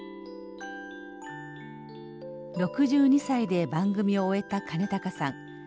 ６２歳で番組を終えた兼高さん。